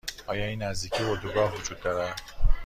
آیا این نزدیکی اردوگاه وجود دارد؟